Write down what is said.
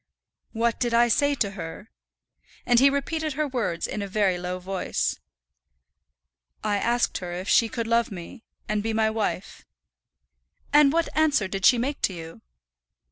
"What did I say to her?" and he repeated her words in a very low voice. "I asked her if she could love me, and be my wife." "And what answer did she make to you?"